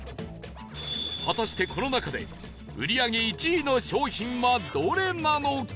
果たしてこの中で売り上げ１位の商品はどれなのか？